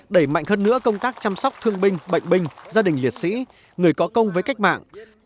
đẩy mạnh hơn nữa công tác chăm sóc thương binh bệnh binh gia đình liệt sĩ người có công với cách mạng